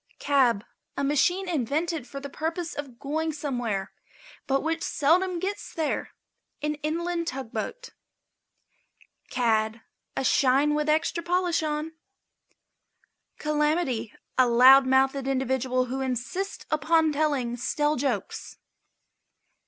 ###CAB. A machine invented for the purpose of going somewhere, but which seldom gets there. An inland tugboat. CAD. A shine with an extra polish on. CALAMITY. A loud mouthed individual who insists upon telling stale jokes.